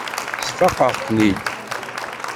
Sfaqeɣ-ken-id.